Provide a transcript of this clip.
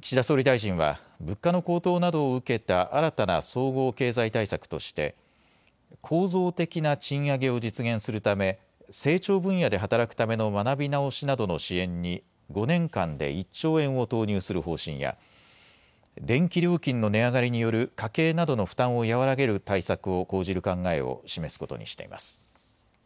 岸田総理大臣は物価の高騰などを受けた新たな総合経済対策として構造的な賃上げを実現するため成長分野で働くための学び直しなどの支援に５年間で１兆円を投入する方針や電気料金の値上がりによる家計などの負担を和らげる対策を講じる考えを示すことにしています。